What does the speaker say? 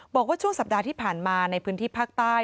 บอกว่าช่วงสัปดาห์ที่ผ่านมาในพื้นที่ภาคใต้